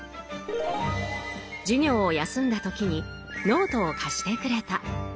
授業を休んだ時にノートを貸してくれた。